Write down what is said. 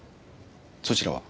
そちらは？